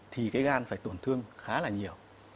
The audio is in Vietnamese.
thì cái gan phải tổn thương khá là nhiều